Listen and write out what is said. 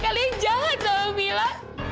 kalian jahat ya oh mila